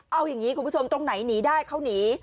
เอาอย่างนี้คุณผู้ชมตรงไหนหนีได้เขาหนี